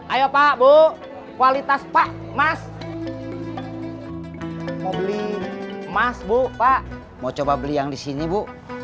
ayo pak bu kualitas pak mas mau beli emas bu pak mau coba beli yang di sini bu